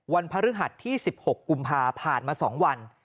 วันพฤหัสที่๑๖กุมภาพาดมา๒วัน